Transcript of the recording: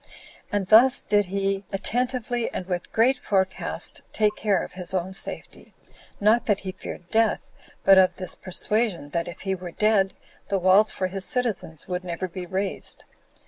And thus did he attentively, and with great forecast, take care of his own safety; not that he feared death, but of this persuasion, that if he were dead, the walls for his citizens would never be raised.